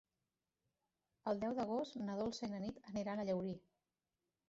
El deu d'agost na Dolça i na Nit aniran a Llaurí.